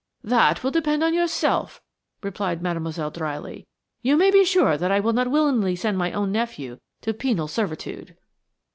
"That will depend on yourself," replied Mademoiselle, dryly. "You may be sure that I will not willingly send my own nephew to penal servitude."